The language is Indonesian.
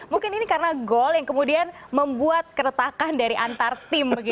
mungkin ini karena gol yang kemudian membuat keretakan dari antar tim